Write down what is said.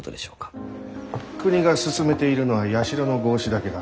国が進めているのは社の合祀だけだ。